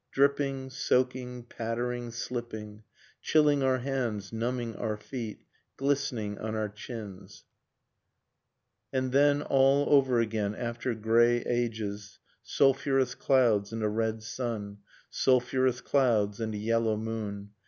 Dripping, soaking, pattering, slipping. Chilling our hands, numbing our feet, Glistening on our chins. Nocturne of Remembered Spring And then, all over again, after grey ages, Sulphurous clouds and a red sun, Sulphurous clouds and a yellow moon.